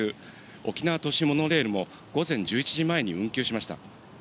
沖縄都市モノレールも午前１１時前に運休しました。